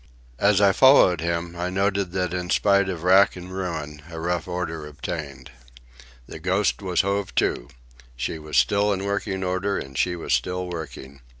As I followed him, I noted that in spite of rack and ruin a rough order obtained. The Ghost was hove to. She was still in working order, and she was still working.